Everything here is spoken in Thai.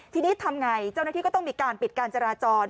ทีนี้ทำไงเจ้าหน้าที่ก็ต้องมีการปิดการจราจร